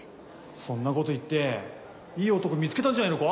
そんなこといっていい男見つけたんじゃないのか？